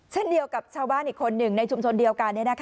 เช่นเดียวกับชาวบ้านอีกคนหนึ่งในชุมชนเดียวกัน